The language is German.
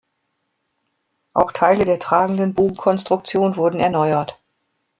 Auch Teile der tragenden Bogenkonstruktion wurden erneuert.